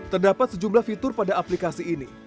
terdapat sejumlah fitur pada aplikasi ini